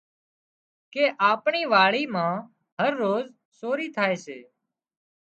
ڪي آپڻي واڙي مان هروز سوري ٿائي سي